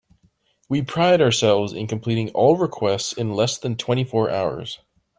We pride ourselves in completing all requests in less than twenty four hours.